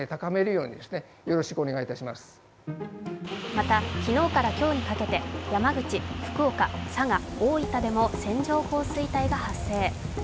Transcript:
また、昨日から今日にかけて山口、福岡、佐賀、大分でも線状降水帯が発生。